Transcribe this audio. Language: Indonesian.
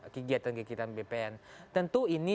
kegiatan bpn tentu ini